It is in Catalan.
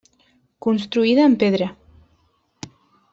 Construïda en pedra.